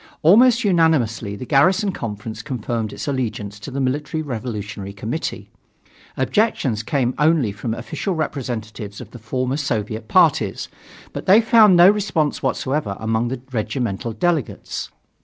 Almost unanimously the Garrison Conference confirmed its allegiance to the Military Revolutionary Committee. Objections came only from official representatives of the former Soviet parties, but they found no response whatever among the regimental delegates.